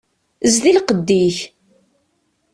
Zdi lqedd-ik!